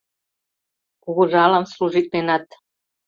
Кугыжалан служитленат.